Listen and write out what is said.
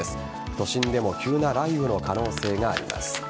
都心でも急な雷雨の可能性があります。